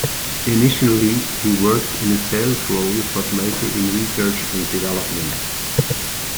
Initially he worked in a sales role but later in research and development.